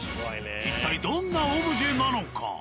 一体どんなオブジェなのか。